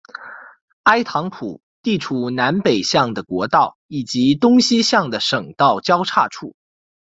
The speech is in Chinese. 埃唐普地处南北向的国道以及东西向的省道的交叉处。